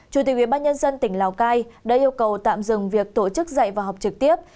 chủ tịch ubnd tỉnh lào cai đã yêu cầu tạm dừng việc tổ chức dạy và học trực tiếp